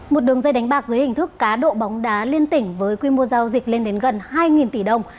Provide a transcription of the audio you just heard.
một đường dây đánh bạc dưới hình thức cá độ bóng đá liên tỉnh với quy mô giao dịch lên đến gần hai tỷ đồng